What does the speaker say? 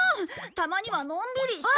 たまにはのんびりした。